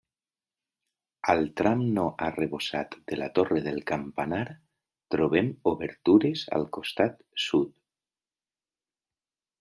Al tram no arrebossat de la torre del campanar, trobem obertures al costat sud.